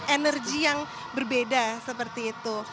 energi yang berbeda seperti itu